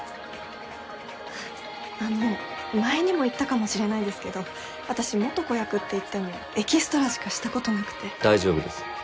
あの前にも言ったかもしれないんですけど私元子役って言ってもエキストラしかした事なくて大丈夫です。